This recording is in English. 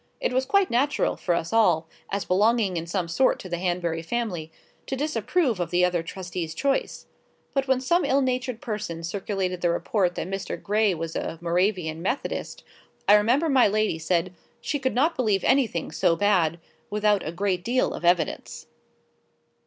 It was quite natural for us all, as belonging in some sort to the Hanbury family, to disapprove of the other trustee's choice. But when some ill natured person circulated the report that Mr. Gray was a Moravian Methodist, I remember my lady said, "She could not believe anything so bad, without a great deal of evidence."